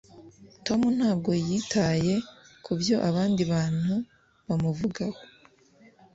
tom ntabwo yitaye kubyo abandi bantu bamuvugaho